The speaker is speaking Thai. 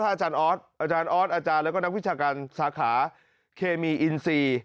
อาจารย์ออสอาจารย์ออสอาจารย์แล้วก็นักวิชาการสาขาเคมีอินซี